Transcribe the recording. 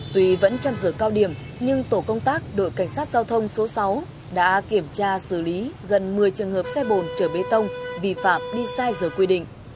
tuy vẫn trong giờ cao điểm nhưng tổ công tác đội cảnh sát giao thông số sáu đã kiểm tra xử lý gần một mươi trường hợp xe bồn chở bê tông vi phạm đi sai giờ quy định